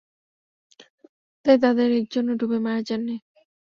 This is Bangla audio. তাই তাদের একজনও ডুবে মারা যাননি।